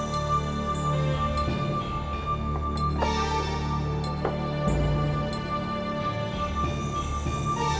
semoga suatu kechian kekuasaan